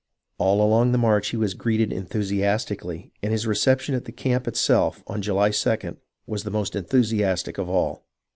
All along the long march he was greeted enthusi astically, and his reception at the camp itself on July 2d was the most enthusiastic of all.